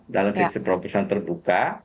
dalam sistem proporsional terbuka